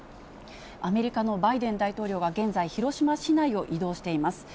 アメリカのバイデン大統領は現在、広島市内を移動しています。